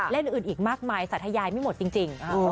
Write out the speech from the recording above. อื่นอีกมากมายสาธยายไม่หมดจริง